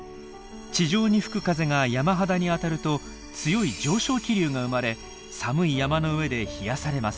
地上に吹く風が山肌に当たると強い上昇気流が生まれ寒い山の上で冷やされます。